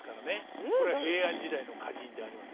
これは平安時代の歌人であります